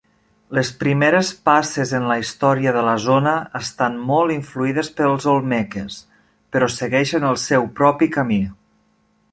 Les primeres passes en la història de la zona estan molt influïdes pels olmeques, però segueixen el seu propi camí.